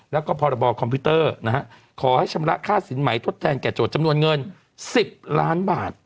แล้วก็พรบคอมพิวเตอร์ขอให้ชำระค่าสินใหม่ทดแทนแก่โจทย์จำนวนเงิน๑๐ล้านบาท